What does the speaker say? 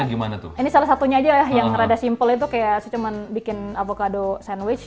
kalau sandwichnya ini salah satunya aja ya yang rada simple itu kayak saya cuman bikin avocado sandwich